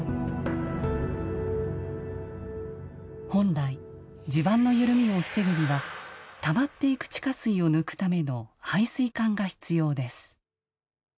本来、地盤の緩みを防ぐにはたまっていく地下水を抜くための排水管が必要です。